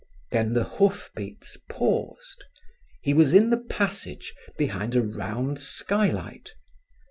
Then the hoof beats paused. He was in the passage, behind a round skylight.